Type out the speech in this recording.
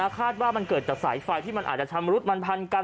คาดว่ามันเกิดจากสายไฟที่มันอาจจะชำรุดมันพันกัน